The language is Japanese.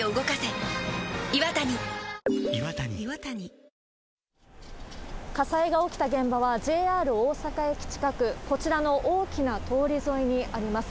「信金中央金庫」火災が起きた現場は、ＪＲ大阪駅近く、こちらの大きな通り沿いにあります。